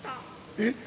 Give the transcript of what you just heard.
えっ。